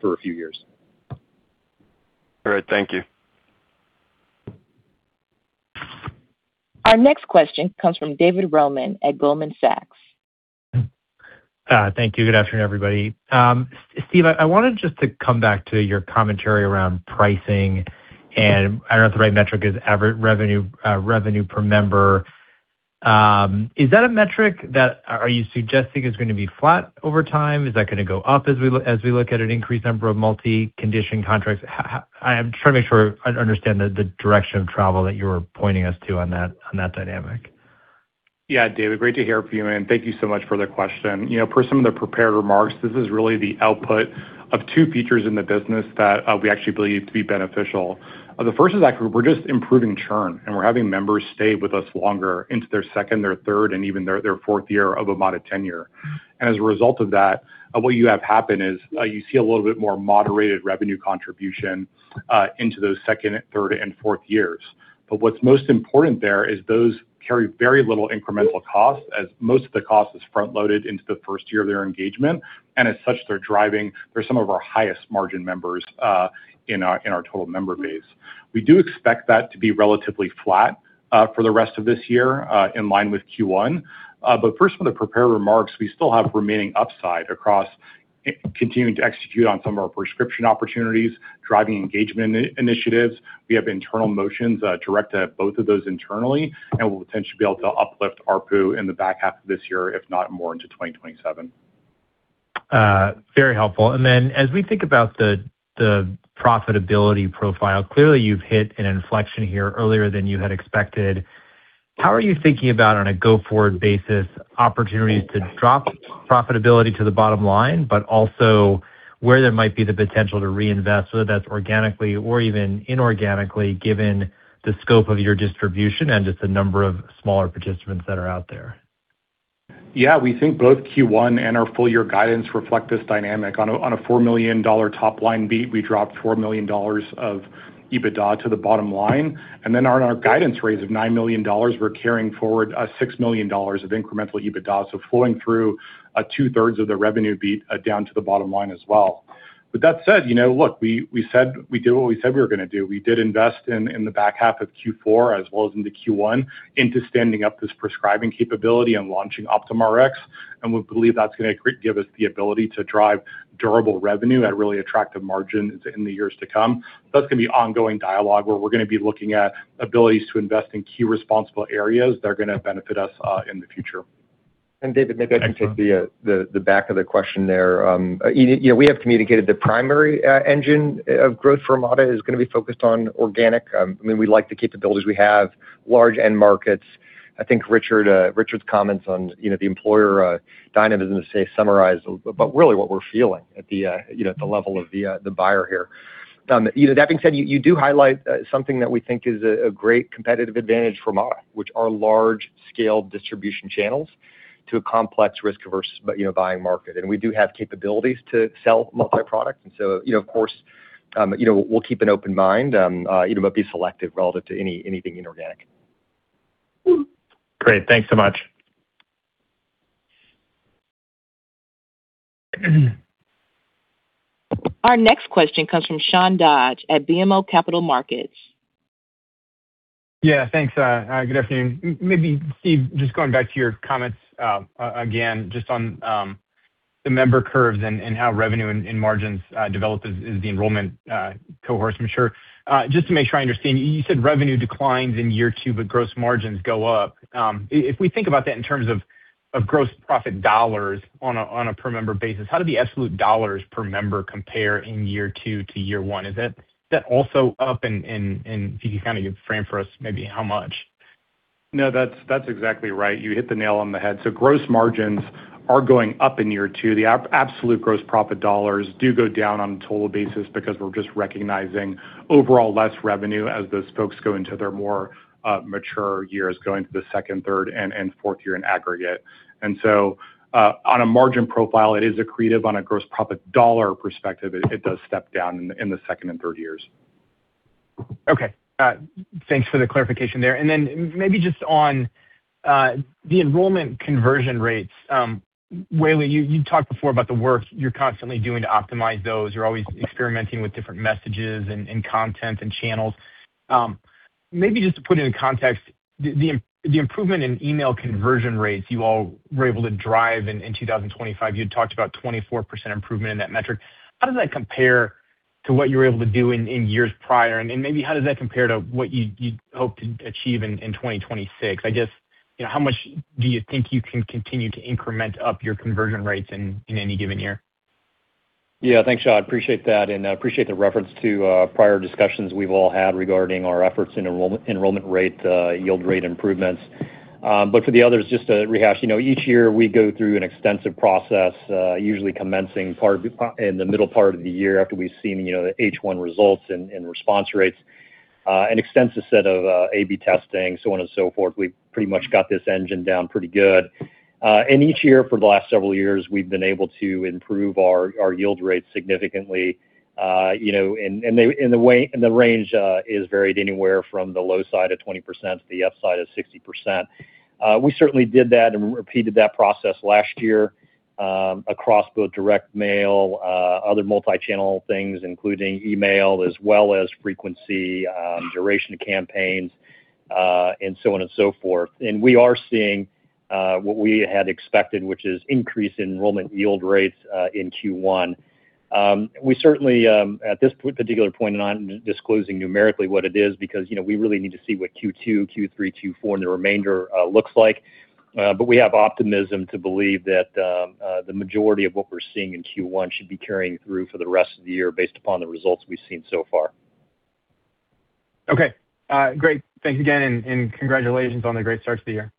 Speaker 4: for a few years.
Speaker 8: All right. Thank you.
Speaker 1: Our next question comes from David Roman at Goldman Sachs.
Speaker 9: Thank you. Good afternoon, everybody. Steve, I wanted just to come back to your commentary around pricing, and I don't know if the right metric is revenue per member. Is that a metric that are you suggesting is gonna be flat over time? Is that gonna go up as we look at an increased number of multi-condition contracts? I'm trying to make sure I understand the direction of travel that you're pointing us to on that dynamic.
Speaker 5: Yeah, David, great to hear from you. Thank you so much for the question. You know, per some of the prepared remarks, this is really the output of two features in the business that we actually believe to be beneficial. The first is that we're just improving churn, and we're having members stay with us longer into their second, their third, and even their fourth year of Omada tenure. As a result of that, what you have happen is, you see a little bit more moderated revenue contribution into those second, third, and fourth years. But what's most important there is those carry very little incremental cost as most of the cost is front-loaded into the first year of their engagement, and as such, they're driving some of our highest margin members in our total member base. We do expect that to be relatively flat for the rest of this year, in line with Q1. But first, with the prepared remarks, we still have remaining upside across continuing to execute on some of our prescription opportunities, driving engagement initiatives, we have internal motions that direct to both of those internally and will potentially be able to uplift ARPU in the back half of this year, if not more into 2027.
Speaker 9: Very helpful. As we think about the profitability profile, clearly you've hit an inflection here earlier than you had expected. How are you thinking about on a go-forward basis, opportunities to drop profitability to the bottom line, but also where there might be the potential to reinvest, whether that's organically or even inorganically, given the scope of your distribution and just the number of smaller participants that are out there?
Speaker 5: Yeah, we think both Q1 and our full-year guidance reflect this dynamic. On a $4 million top line beat, we dropped $4 million of EBITDA to the bottom line, and on our guidance raise of $9 million, we're carrying forward $6 million of incremental EBITDA, so flowing through 2/3 of the revenue beat down to the bottom line as well. With that said, you know, look, we said we did what we said we were gonna do, we did invest in the back half of Q4 as well as into Q1, into standing up this prescribing capability and launching Optum Rx, and we believe that's gonna give us the ability to drive durable revenue at really attractive margins in the years to come. That's going to be ongoing dialogue where we're going to be looking at abilities to invest in key responsible areas that are going to benefit us in the future.
Speaker 4: David, maybe I can take the back of the question there. You know, we have communicated the primary engine of growth for Omada is gonna be focused on organic. I mean, we like the capabilities, we have large end markets. I think Richard's comments on, you know, the employer dynamism to say summarize about really what we're feeling at the, you know, at the level of the buyer here. You know, that being said, you do highlight something that we think is a great competitive advantage for Omada, which are large scale distribution channels to a complex risk-averse, you know, buying market. We do have capabilities to sell multi-product. You know, of course, you know, we'll keep an open mind, you know, but be selective relative to anything inorganic.
Speaker 9: Great. Thanks so much.
Speaker 1: Our next question comes from Sean Dodge at BMO Capital Markets.
Speaker 10: Yeah, thanks. Good afternoon. Maybe, Steve, just going back to your comments, again, just on the member curves and how revenue and margins develop as the enrollment cohorts mature. Just to make sure I understand, you said revenue declines in year two, but gross margins go up. If we think about that in terms of gross profit dollars on a per member basis, how do the absolute dollars per member compare in year two to year one? Is that also up, and if you can kind of frame for us, maybe how much?
Speaker 5: No, that's exactly right. You hit the nail on the head. Gross margins are going up in year two. The absolute gross profit dollars do go down on a total basis because we're just recognizing overall less revenue as those folks go into their more mature years, go into the second, third, and fourth year in aggregate. On a margin profile, it is accretive. On a gross profit dollar perspective, it does step down in the second and third years.
Speaker 10: Okay. Thanks for the clarification there. Maybe just on the enrollment conversion rates. Wei-Li, you talked before about the work you're constantly doing to optimize those. You're always experimenting with different messages and content and channels. Maybe just to put it in context, the improvement in email conversion rates you all were able to drive in 2025, you had talked about 24% improvement in that metric, how does that compare to what you were able to do in years prior, and maybe how does that compare to what you hope to achieve in 2026? I guess, you know, how much do you think you can continue to increment up your conversion rates in any given year?
Speaker 4: Yeah. Thanks, Sean. Appreciate that, I appreciate the reference to prior discussions we've all had regarding our efforts in enrollment rate, yield rate improvements. But for the others, just to rehash, you know, each year we go through an extensive process, usually commencing in the middle part of the year after we've seen, you know, the H1 results and response rates, an extensive set of A/B testing, so on and so forth. We've pretty much got this engine down pretty good. Each year for the last several years, we've been able to improve our yield rate significantly, you know, and the range is varied anywhere from the low side of 20% to the upside of 60%. We certainly did that and repeated that process last year, across both direct mail, other multi-channel things, including email, as well as frequency, duration campaigns, and so on and so forth. We are seeing what we had expected, which is increased enrollment yield rates in Q1. We certainly, at this particular point, and I'm disclosing numerically what it is because, you know, we really need to see what Q2, Q3, Q4, and the remainder looks like, we have optimism to believe that the majority of what we're seeing in Q1 should be carrying through for the rest of the year based upon the results we've seen so far.
Speaker 10: Okay. great. Thanks again, and congratulations on the great start to the year.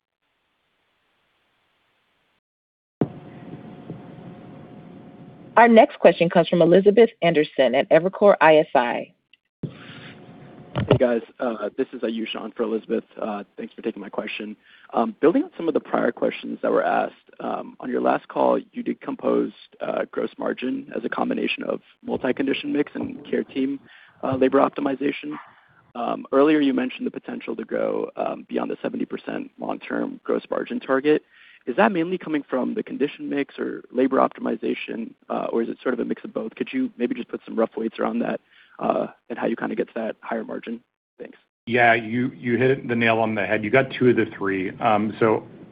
Speaker 1: Our next question comes from Elizabeth Anderson at Evercore ISI.
Speaker 11: Hey, guys. This is Ayush on for Elizabeth. Thanks for taking my question. Building on some of the prior questions that were asked, on your last call, you decomposed gross margin as a combination of multi-condition mix and care team labor optimization. Earlier, you mentioned the potential to grow beyond the 70% long-term gross margin target. Is that mainly coming from the condition mix or labor optimization, or is it sort of a mix of both? Could you maybe just put some rough weights around that, and how you kinda get to that higher margin? Thanks.
Speaker 5: Yeah. You hit the nail on the head. You got two of the three.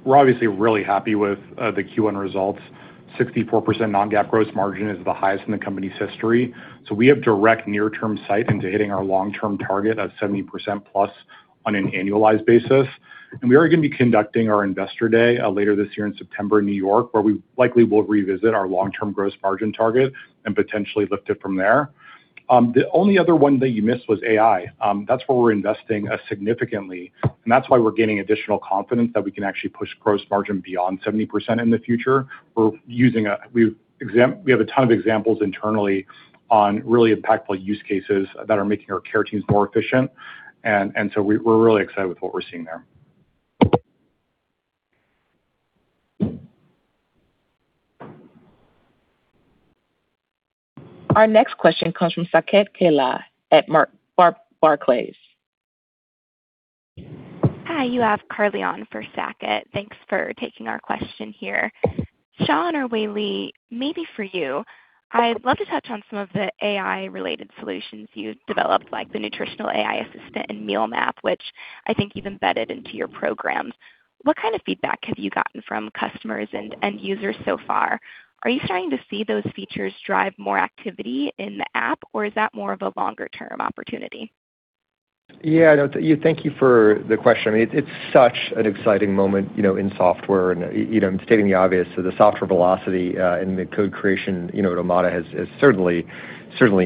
Speaker 5: We're obviously really happy with the Q1 results. 64% non-GAAP gross margin is the highest in the company's history, so we have direct near-term sight into hitting our long-term target of 70%+ on an annualized basis. We are gonna be conducting our Investor Day later this year in September in New York, where we likely will revisit our long-term gross margin target and potentially lift it from there. The only other one that you missed was AI. That's where we're investing significantly, and that's why we're gaining additional confidence that we can actually push gross margin beyond 70% in the future. We're using, we have a ton of examples internally on really impactful use cases that are making our care teams more efficient, and so we're really excited with what we're seeing there.
Speaker 1: Our next question comes from Saket Kalia at Barclays.
Speaker 12: Hi, you have Carly on for Saket. Thanks for taking our question here. Sean or Wei-Li, maybe for you, I'd love to touch on some of the AI-related solutions you developed, like the nutritional AI assistant and Meal Map, which I think you've embedded into your programs. What kind of feedback have you gotten from customers and users so far? Are you starting to see those features drive more activity in the app, or is that more of a longer-term opportunity?
Speaker 4: Yeah, no, thank you for the question. I mean, it's such an exciting moment, you know, in software. You know, I'm stating the obvious. The software velocity and the code creation, you know, at Omada has certainly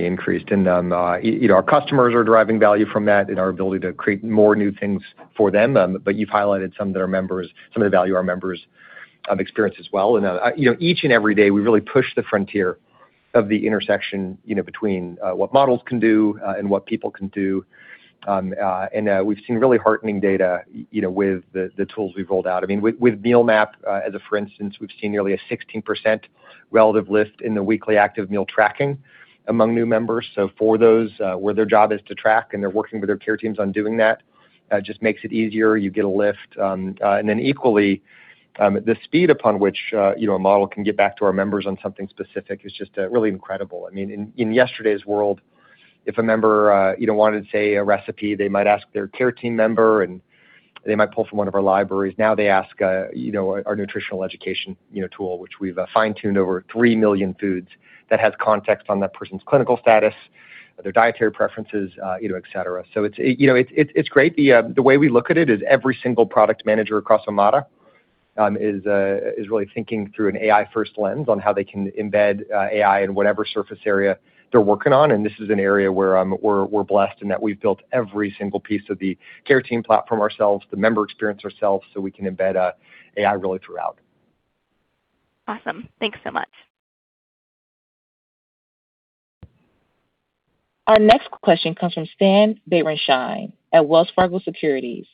Speaker 4: increased. You know, our customers are deriving value from that and our ability to create more new things for them. You've highlighted some of the value our members experience as well. You know, each and every day, we really push the frontier of the intersection, you know, between what models can do and what people can do, and we've seen really heartening data, you know, with the tools we've rolled out. I mean, with Meal Map, as for instance, we've seen nearly a 16% relative lift in the weekly active meal tracking among new members. So, for those, where their job is to track and they're working with their care teams on doing that, just makes it easier, you get a lift. Equally, the speed upon which, you know, a model can get back to our members on something specific is just really incredible. I mean, in yesterday's world, if a member, you know, wanted, say, a recipe, they might ask their care team member, they might pull from one of our libraries. Now they ask, you know, our nutritional education, you know, tool, which we've fine-tuned over 3 million foods that has context on that person's clinical status, their dietary preferences, you know, et cetera. It's, you know, it's great. The way we look at it is every single product manager across Omada is really thinking through an AI-first lens on how they can embed AI in whatever surface area they're working on. This is an area where we're blessed in that we've built every single piece of the care team platform ourselves, the member experience ourselves, so we can embed AI really throughout.
Speaker 12: Awesome. Thanks so much.
Speaker 1: Our next question comes from Stan Berenshteyn at Wells Fargo Securities.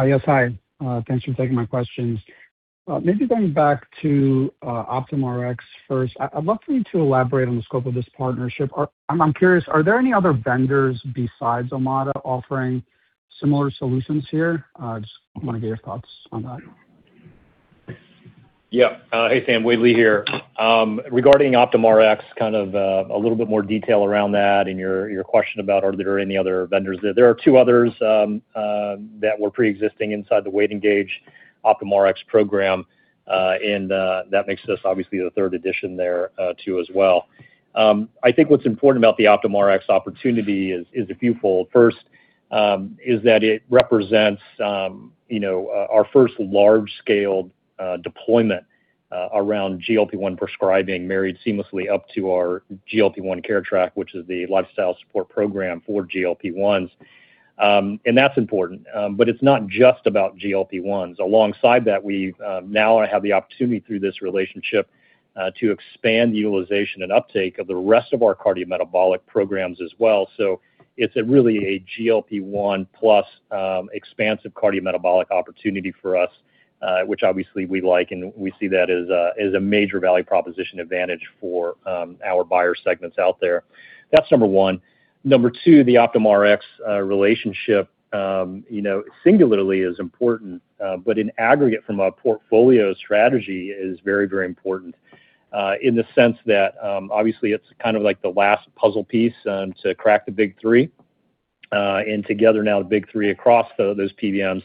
Speaker 13: Yes. Hi. Thanks for taking my questions. Maybe going back to Optum Rx first, I'd love for you to elaborate on the scope of this partnership. I'm curious, are there any other vendors besides Omada offering similar solutions here? Just wanna get your thoughts on that.
Speaker 4: Yeah. Hey, Stan. Wei-Li here. Regarding Optum Rx, kind of, a little bit more detail around that and your question about are there any other vendors there? There are two others that were preexisting inside the Weight Engage Optum Rx program, and that makes this obviously the third edition there as well. I think what's important about the Optum Rx opportunity is a fewfold. First, is that it represents, you know, our first large-scale deployment around GLP-1 prescribing married seamlessly up to our GLP-1 Care Track, which is the lifestyle support program for GLP-1s. And that's important, but it's not just about GLP-1s. Alongside that, we've now have the opportunity, through this relationship, to expand the utilization and uptake of the rest of our cardiometabolic programs as well. It's a really a GLP-1 plus expansive cardiometabolic opportunity for us, which obviously we like, and we see that as a, as a major value proposition advantage for, our buyer segments out there. That's number one. Number two, the Optum Rx relationship, you know, singularly is important, but in aggregate from a portfolio strategy is very, very important, in the sense that, obviously it's kind of like the last puzzle piece, to crack the Big 3. And together now, the Big 3 across those PBMs,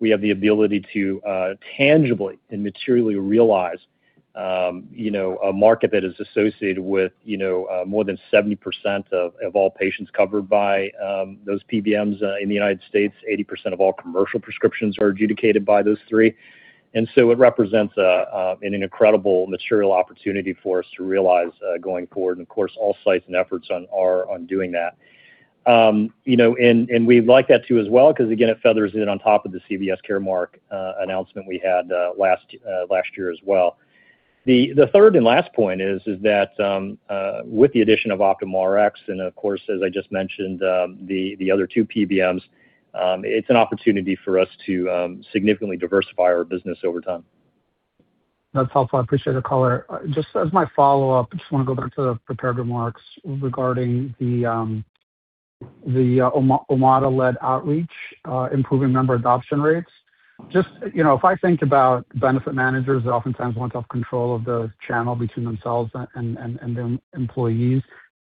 Speaker 4: we have the ability to tangibly and materially realize, you know, a market that is associated with, you know, more than 70% of all patients covered by those PBMs in the United States. 80% of all commercial prescriptions are adjudicated by those three, so it represents an incredible material opportunity for us to realize going forward, and of course, all sights and efforts are on doing that. You know, and we like that too as well 'cause again, it feathers in on top of the CVS Caremark announcement we had last year as well. The third and last point is that with the addition of Optum Rx and of course, as I just mentioned, the other two PBMs, it's an opportunity for us to significantly diversify our business over time.
Speaker 13: That's helpful. I appreciate the color. Just as my follow-up, I just wanna go back to the prepared remarks regarding the Omada-led outreach improving member adoption rates. Just, you know, if I think about benefit managers that oftentimes want to have control of the channel between themselves and their employees,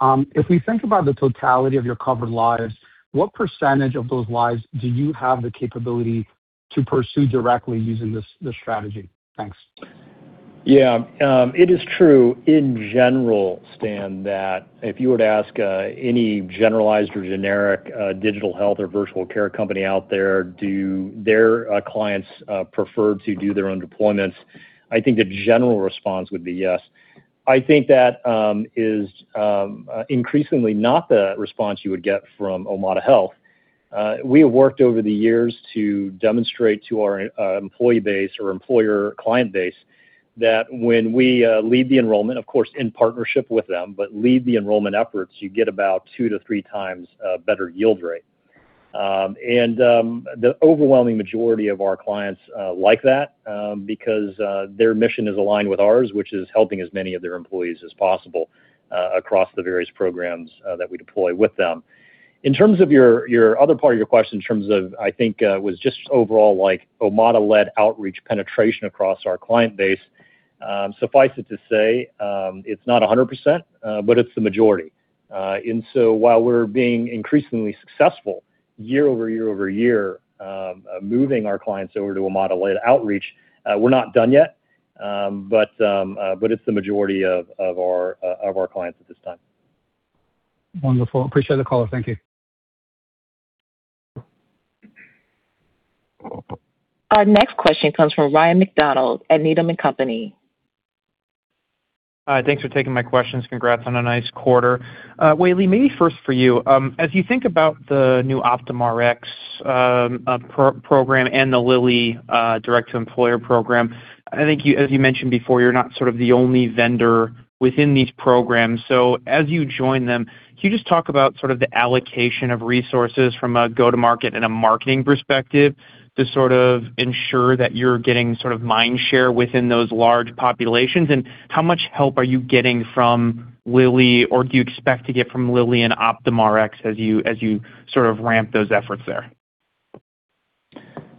Speaker 13: if we think about the totality of your covered lives, what percentage of those lives do you have the capability to pursue directly using this strategy? Thanks.
Speaker 4: Yeah. It is true in general, Stan, that if you were to ask any generalized or generic digital health or virtual care company out there, do their clients prefer to do their own deployments, I think the general response would be yes. I think that is increasingly not the response you would get from Omada Health. We have worked over the years to demonstrate to our employee base or employer client base that when we lead the enrollment, of course, in partnership with them, but lead the enrollment efforts, you get about two to three times better yield rate. The overwhelming majority of our clients like that because their mission is aligned with ours, which is helping as many of their employees as possible across the various programs that we deploy with them. In terms of your other part of your question in terms of, I think, was just overall, like Omada-led outreach penetration across our client base, suffice it to say, it's not 100%, but it's the majority. While we're being increasingly successful year-over-year, moving our clients over to Omada-led outreach, we're not done yet, but it's the majority of our clients at this time.
Speaker 13: Wonderful. Appreciate the color. Thank you.
Speaker 1: Our next question comes from Ryan MacDonald at Needham & Company.
Speaker 14: Thanks for taking my questions. Congrats on a nice quarter. Wei-Li, maybe first for you. As you think about the new Optum Rx program and the Lilly direct-to-employer program, I think you, as you mentioned before, you're not sort of the only vendor within these programs. As you join them, can you just talk about sort of the allocation of resources from a go-to-market and a marketing perspective to sort of ensure that you're getting sort of mind share within those large populations? How much help are you getting from Lilly or do you expect to get from Lilly and Optum Rx as you sort of ramp those efforts there?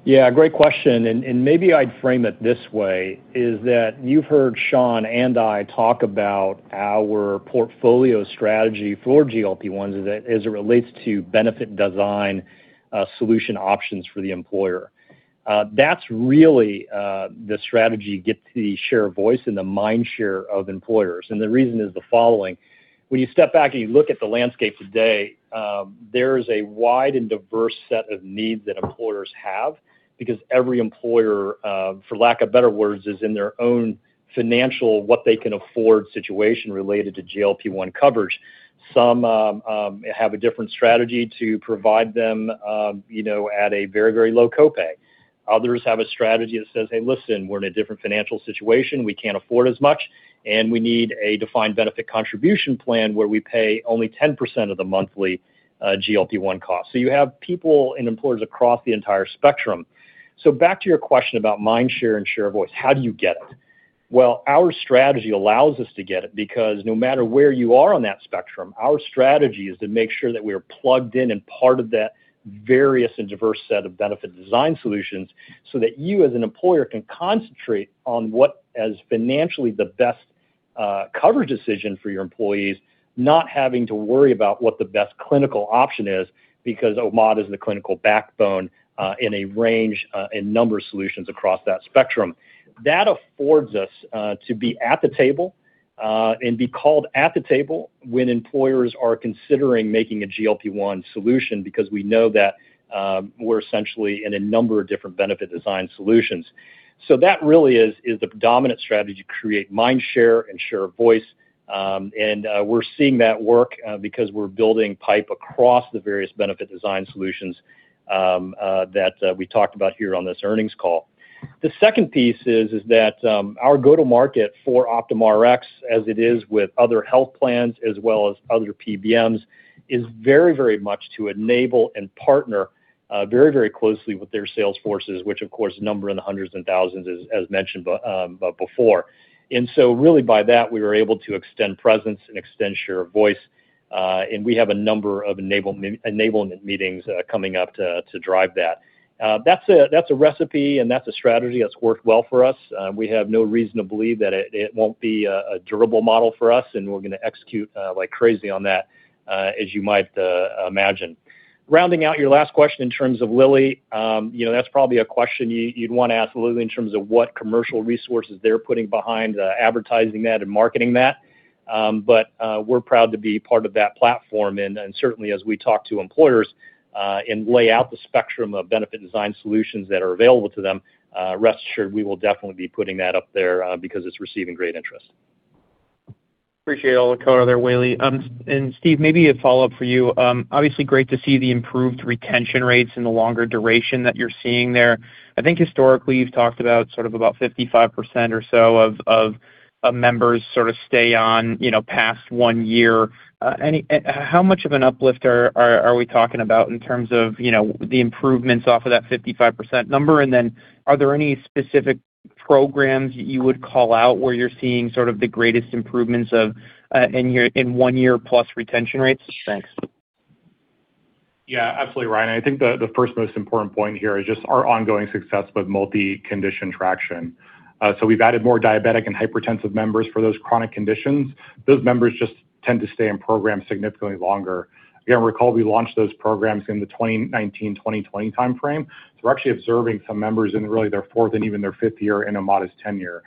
Speaker 4: Yeah, great question. Maybe I'd frame it this way, is that you've heard Sean and I talk about our portfolio strategy for GLP-1s as it relates to benefit design solution options for the employer. That's really the strategy to get the share of voice and the mind share of employers. The reason is the following: when you step back and you look at the landscape today, there is a wide and diverse set of needs that employers have because every employer, for lack of better words, is in their own financial what they can afford situation related to GLP-1 coverage. Some have a different strategy to provide them, you know, at a very low co-pay. Others have a strategy that says, "Hey, listen, we're in a different financial situation. We can't afford as much, and we need a defined benefit contribution plan where we pay only 10% of the monthly GLP-1 cost." You have people and employers across the entire spectrum. Back to your question about mind share and share voice, how do you get it? Well, our strategy allows us to get it because no matter where you are on that spectrum, our strategy is to make sure that we are plugged in and part of that various and diverse set of benefit design solutions so that you, as an employer, can concentrate on what is financially the best cover decision for your employees, not having to worry about what the best clinical option is because Omada is the clinical backbone in a range, in number of solutions across that spectrum. That affords us to be at the table and be called at the table when employers are considering making a GLP-1 solution because we know that we're essentially in a number of different benefit design solutions. That really is the predominant strategy to create mind share and share voice. We're seeing that work because we're building pipe across the various benefit design solutions that we talked about here on this earnings call. The second piece is that our go-to-market for Optum Rx, as it is with other health plans as well as other PBMs, is very, very much to enable and partner very, very closely with their sales forces, which of course number in the hundreds and thousands as mentioned before. So, really by that, we were able to extend presence and extend share of voice, and we have a number of enablement meetings coming up to drive that. That's a, that's a recipe and that's a strategy that's worked well for us. We have no reason to believe that it won't be a durable model for us, and we're gonna execute like crazy on that, as you might imagine. Rounding out your last question in terms of Lilly, you know, that's probably a question you'd wanna ask Lilly in terms of what commercial resources they're putting behind advertising that and marketing that. But we're proud to be part of that platform and certainly as we talk to employers and lay out the spectrum of benefit design solutions that are available to them, rest assured we will definitely be putting that up there, because it's receiving great interest.
Speaker 14: Appreciate all the color there, Wei-Li. Steve, maybe a follow-up for you. Obviously, great to see the improved retention rates and the longer duration that you're seeing there. I think historically you've talked about sort of about 55% or so of members sort of stay on, you know, past one year. How much of an uplift are we talking about in terms of, you know, the improvements off of that 55% number? Are there any specific programs you would call out where you're seeing sort of the greatest improvements of in one year plus retention rates? Thanks.
Speaker 5: Yeah, absolutely, Ryan. I think the first most important point here is just our ongoing success with multi-condition traction. We've added more diabetic and hypertensive members for those chronic conditions. Those members just tend to stay in program significantly longer. Again, recall we launched those programs in the 2019, 2020 timeframe, so we're actually observing some members in really their fourth and even their fifth year in Omada's tenure.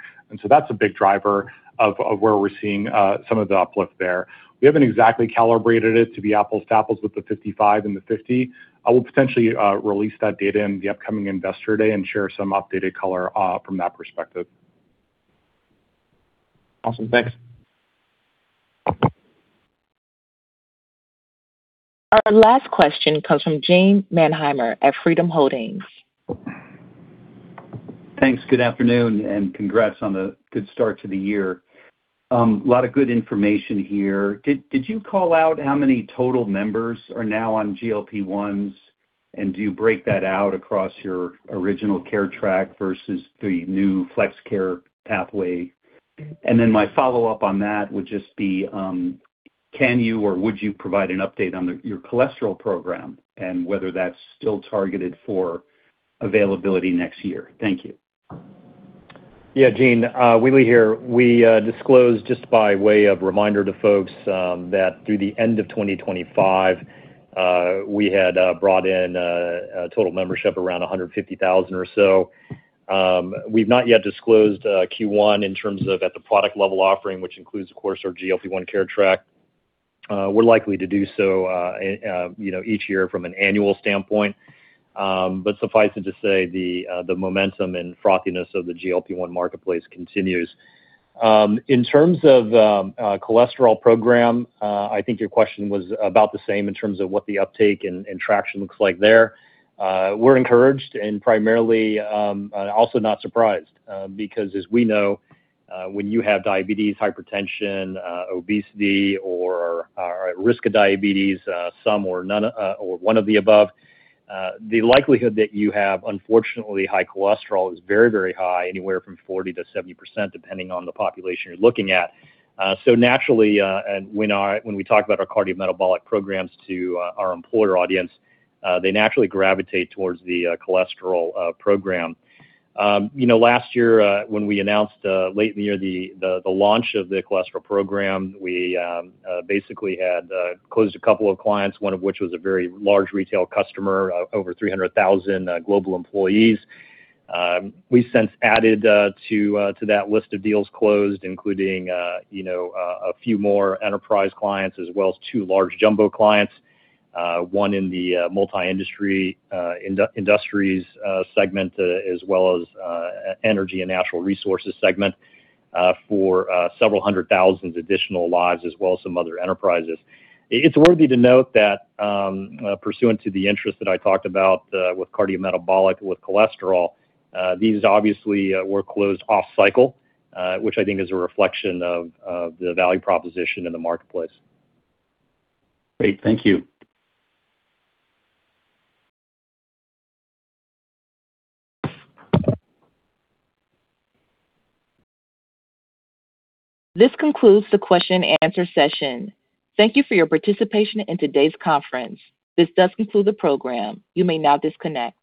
Speaker 5: That's a big driver of where we're seeing some of the uplift there. We haven't exactly calibrated it to be apples to apples with the 55 and the 50. I will potentially release that data in the upcoming Investor Day and share some updated color from that perspective.
Speaker 14: Awesome. Thanks.
Speaker 1: Our last question comes from Gene Mannheimer at Freedom Holdings.
Speaker 15: Thanks. Good afternoon and congrats on the good start to the year. A lot of good information here. Did you call out how many total members are now on GLP-1s, and do you break that out across your original Care Track versus the new Flex Care pathway? Then, my follow-up on that would just be, can you or would you provide an update on your cholesterol program and whether that's still targeted for availability next year? Thank you.
Speaker 4: Yeah, Gene, Wei-Li here. We disclosed just by way of reminder to folks that through the end of 2025, we had brought in a total membership around 150,000 or so. We've not yet disclosed Q1 in terms of at the product level offering, which includes of course our GLP-1 Care Track. We're likely to do so, you know, each year from an annual standpoint. Suffice it to say, the momentum and frothiness of the GLP-1 marketplace continues. In terms of cholesterol program, I think your question was about the same in terms of what the uptake and traction looks like there. We're encouraged and primarily, also not surprised, because as we know, when you have diabetes, hypertension, obesity or are at risk of diabetes, some or one of the above, the likelihood that you have unfortunately high cholesterol is very, very high, anywhere from 40%-70%, depending on the population you're looking at. Naturally, and when we talk about our cardiometabolic programs to our employer audience, they naturally gravitate towards the cholesterol program. You know, last year, when we announced late in the year the launch of the cholesterol program, we basically had closed a couple of clients, one of which was a very large retail customer, over 300,000 global employees. We since added to that list of deals closed, including, you know, a few more enterprise clients as well as two large jumbo clients, one in the multi-industries segment, as well as energy and natural resources segment for several hundred thousand additional lives as well as some other enterprises. It's worthy to note that pursuant to the interest that I talked about, with cardiometabolic, with cholesterol, these obviously were closed off cycle, which I think is a reflection of the value proposition in the marketplace.
Speaker 15: Great. Thank you.
Speaker 1: This concludes the question-answer-session. Thank you for your participation in today's conference. This does conclude the program. You may now disconnect.